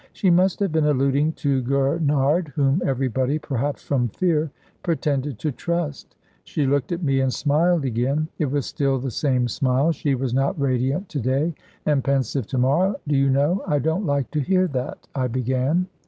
She must have been alluding to Gurnard, whom everybody perhaps from fear pretended to trust. She looked at me and smiled again. It was still the same smile; she was not radiant to day and pensive to morrow. "Do you know I don't like to hear that?" I began.